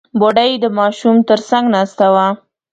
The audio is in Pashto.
بوډۍ د ماشوم تر څنګ ناسته وه.